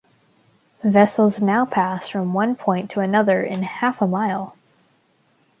Vessels now pass from one point to another in half a mile.